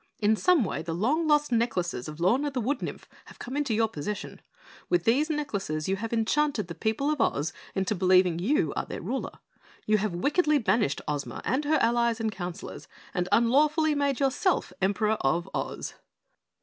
In some way the long lost necklaces of Lorna the Wood Nymph have come into your possession. With these necklaces you have enchanted the people of Oz into believing you are their ruler. You have wickedly banished Ozma and her allies and counselors and unlawfully made yourself Emperor of Oz."